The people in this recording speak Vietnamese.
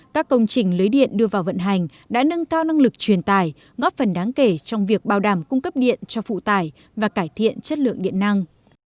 các công trình lưới điện đưa vào vận hành đã nâng cao năng lực truyền tải góp phần đáng kể trong việc bảo đảm cung cấp điện cho phụ tải và cải thiện chất lượng điện năng